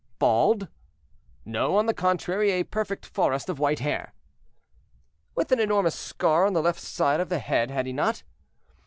"Bald?" "No, on the contrary, a perfect forest of white hair." "With an enormous scar on the left side of the head, had he not?"